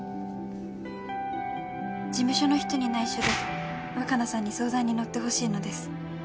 「事務所の人に内緒で若菜さんに相談に乗ってほしいのです」